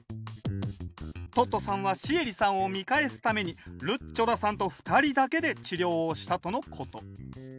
トットさんはシエリさんを見返すためにルッチョラさんと２人だけで治療をしたとのこと。